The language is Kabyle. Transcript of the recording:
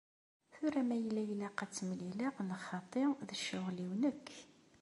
Tura ma yella ilaq ad tt-mlileɣ neɣ xaṭi, d ccɣel-iw nekk.